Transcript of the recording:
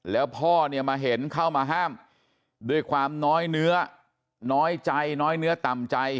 แล้วพ่อเนี่ยมาเห็นเข้ามาห้ามด้วยความน้อยเนื้อน้อยใจน้อยเนื้อต่ำใจ